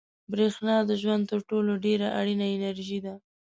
برېښنا د ژوند تر ټولو ډېره اړینه انرژي ده.